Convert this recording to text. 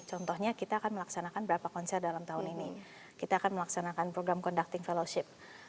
contohnya kita akan melaksanakan berapa konser dalam tahun ini kita akan melaksanakan program conducting fellowship